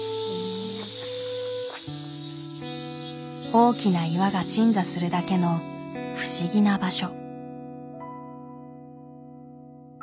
大きな岩が鎮座するだけの不思議な場所。